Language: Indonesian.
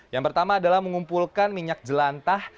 yang pertama adalah mengumpulkan minyak jelantah